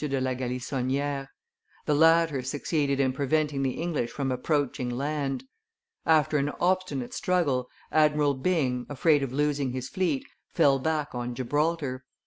de la Galissonniere. The latter succeeded in preventing the English from approaching land. After an obstinate struggle, Admiral Byng, afraid of losing his fleet, fell back on Gibraltar.